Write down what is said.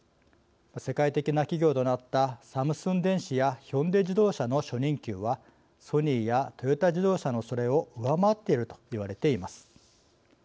世界的な企業となったサムスン電子やヒョンデ自動車の初任給はソニーやトヨタ自動車のそれを上回っていると言われています。